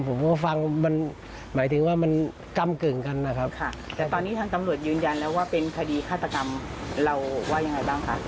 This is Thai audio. ผมก็ฟังหมายถึงว่ามันก้ำกึ่งกันครับ